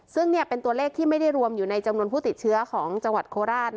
ซึ่งเป็นตัวเลขที่ไม่ได้รวมอยู่ในจำนวนผู้ติดเชื้อของจังหวัดโคราช